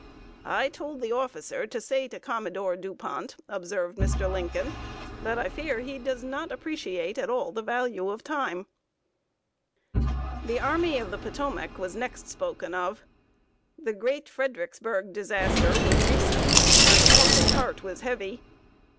"I told the officer to say to Commodore Du Pont," observed Mr. Lincoln, "that I fear he does not appreciate at all the value of time." [Sidenote: OPINIONS ABOUT MCCLELLAN AND VICKSBURG.] The Army of the Potomac was next spoken of. The great Fredericksburg disaster was recent, and the public heart was heavy.